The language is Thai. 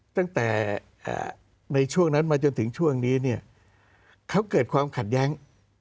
ตั้งแต่ในช่วงนั้นมาจนถึงช่วงนี้เนี่ยเขาเกิดความขัดแย้ง